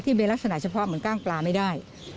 เป็นลักษณะเฉพาะเหมือนกล้างปลาไม่ได้